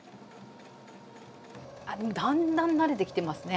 だんだん慣れてきてますね。